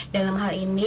dalam hal ini